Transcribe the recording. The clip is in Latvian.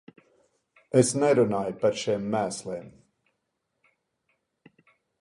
Es nerunāju par šiem mēsliem.